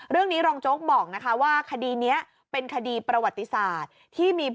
เรื่องนี้รองโจ๊กบอกนะคะว่าคดีนี้เป็นคดีประวัติศาสตร์ที่มี